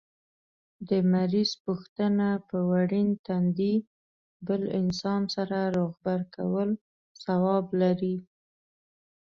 د مریض پوښتنه په ورين تندي بل انسان سره روغبړ کول ثواب لري